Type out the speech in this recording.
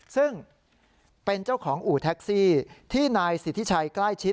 ซึ่งเป็นเจ้าของอู่แท็กซี่ที่นายสิทธิชัยใกล้ชิด